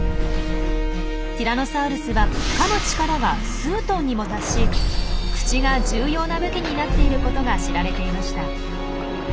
ティラノサウルスはかむ力が数トンにも達し口が重要な武器になっていることが知られていました。